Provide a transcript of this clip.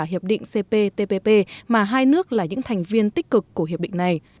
hiệp định cptpp mà hai nước là những thành viên tích cực của hiệp định này